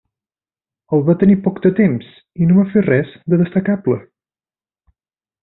El va tenir poc de temps i no va fer res de destacable.